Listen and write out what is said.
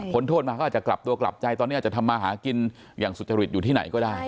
โทษมาก็อาจจะกลับตัวกลับใจตอนนี้อาจจะทำมาหากินอย่างสุจริตอยู่ที่ไหนก็ได้